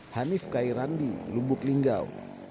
hanif kairandi lubuk linggau